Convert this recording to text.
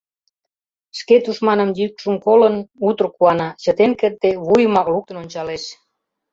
Шке тушманын йӱкшым колын, утыр куана, чытен кертде, вуйымак луктын ончалеш.